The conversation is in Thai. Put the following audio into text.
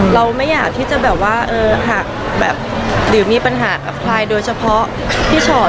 เราไม่อยากที่จะแบบว่าหากหรือมีปัญหากับใครโดยเฉพาะพี่ชอด